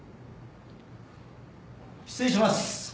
失礼します。